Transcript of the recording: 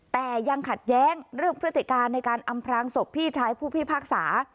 แต่ยังขัดแย้งเรื่องพฤติการในการอำพลางศพพี่ชายผู้พิพากษา